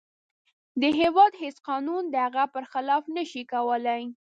د هیواد هیڅ قانون د هغه پر خلاف نشي کولی.